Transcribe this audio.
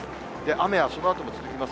雨はそのあとも続きます。